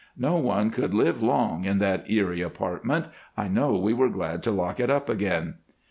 No one could live long in that eerie apartment. I know we were glad to lock it up again.